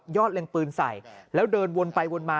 เล็งปืนใส่แล้วเดินวนไปวนมา